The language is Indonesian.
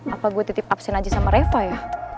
apa gue titip absen aja sama reva ya